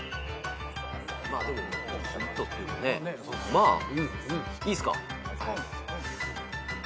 まあいいっすか？